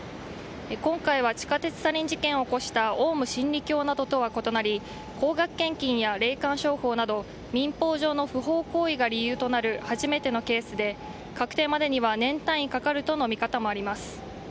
今回は地下鉄サリン事件を起こしたオウム真理教などとは異なり高額献金や霊感商法など民法上の不法行為が理由となる初めてのケースで確定までには年単位かかるとの見方もあります。